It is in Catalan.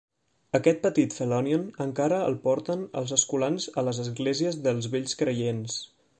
Aquest petit phelonion encara el porten els escolans a les esglésies dels Vells creients.